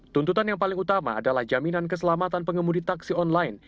tuntutan yang paling utama adalah jaminan keselamatan pengemudi taksi online